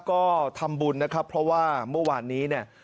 ก็ทำบุญนะครับเพราะว่าเมื่อวานนี้เนี่ย